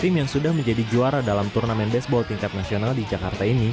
tim yang sudah menjadi juara dalam turnamen baseball tingkat nasional di jakarta ini